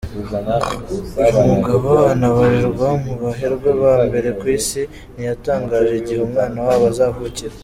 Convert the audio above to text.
Uyu mugabo unabarirwa mu baherwe ba mbere ku Isi, ntiyatangaje igihe umwana wabo azavukira.